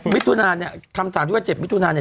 มิถุนาเนี่ยคำถามที่ว่า๗มิถุนาเนี่ย